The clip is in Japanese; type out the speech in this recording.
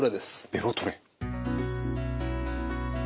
ベロトレ。